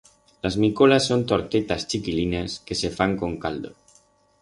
Las micolas son tortetas chiquilinas que se fan con caldo.